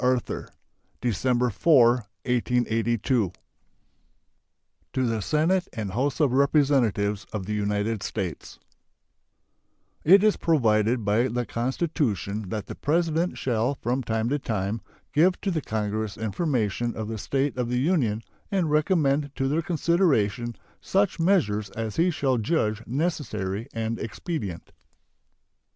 Arthur December 4, 1882 To the Senate and House of Representatives of the United States: It is provided by the Constitution that the President shall from time to time give to the Congress information of the state of the Union and recommend to their consideration such measures as he shall judge necessary and expedient.